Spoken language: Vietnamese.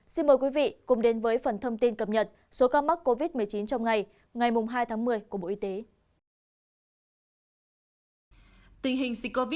một thông tin các ca nhiễm mới